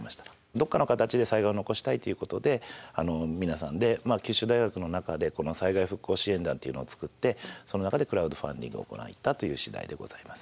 どこかの形で災害を残したいということで皆さんで九州大学の中で災害復興支援団っていうのを作ってその中でクラウドファンディングを行ったという次第でございます。